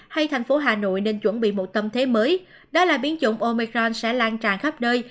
hay thành phố hà nội nên chuẩn bị một tâm thế mới đó là biến chủng omicron sẽ lan tràn khắp nơi